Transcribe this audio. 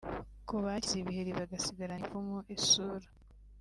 Ku bakize ibiheri bagasigarana inkovu mu isura